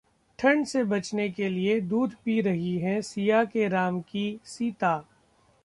ठंड से बचने के लिए दूध पी रही हैं सिया के राम की सीता